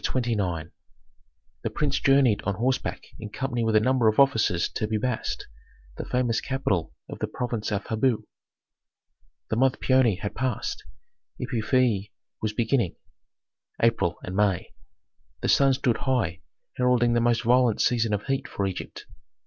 CHAPTER XXIX The prince journeyed on horseback in company with a number of officers to Pi Bast, the famous capital of the province of Habu. The month Paoni had passed, Epiphi was beginning (April and May). The sun stood high, heralding the most violent season of heat for Egypt.